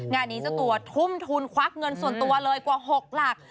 งานนี้เจ้าตัวทุ่มทุนควักเงินส่วนตัวเลยกว่า๖หลัก